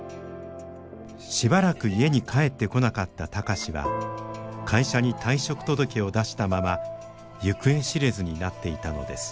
しばらく家に帰ってこなかった貴司は会社に退職届を出したまま行方知れずになっていたのです。